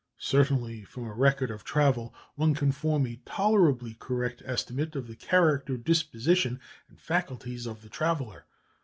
Certainly from a record of travel one can form a tolerably correct estimate of the character, disposition, and faculties of the traveller.